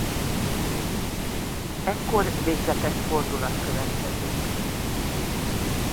Ekkor végzetes fordulat következik.